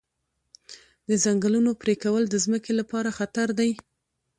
د ځنګلونو پرېکول د ځمکې لپاره خطر دی.